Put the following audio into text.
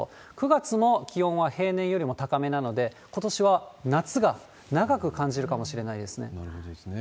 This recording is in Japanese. ９月も気温は平年よりも高めなので、ことしは夏が長く感じるかもしれないですね。